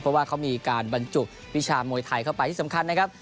เพราะว่าเขามีการบรรจุวิชามวยไทยเข้าไปที่สำคัญนะครับ